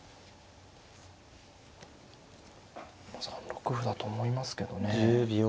３六歩だと思いますけどね。